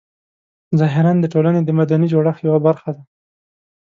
ظاهراً د ټولنې د مدني جوړښت یوه برخه ده.